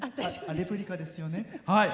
レプリカですよね。